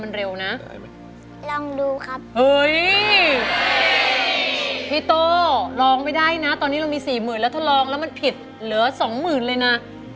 อันนี้เรามี๔หมื่นแล้วทดลองแล้วมันผิดเหลือ๒หมื่นเลยนะ